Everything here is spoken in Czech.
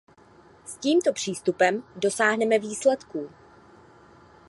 S tímto přístupem dosáhneme výsledků.